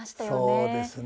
そうですね。